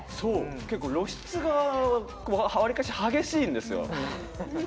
結構、露出がわりかし激しいんですよ。